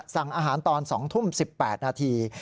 สั่งอาหารตอน๒ทุ่ม๑๘นาที